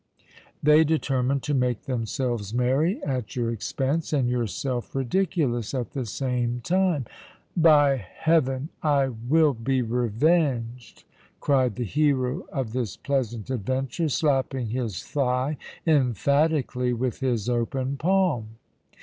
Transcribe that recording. "They determined to make themselves merry at your expense, and yourself ridiculous at the same time." "By heaven! I will be revenged!" cried the hero of this pleasant adventure, slapping his thigh emphatically with his open palm.